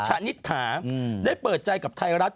ชนิษฐาได้เปิดใจกับไทยรัฐ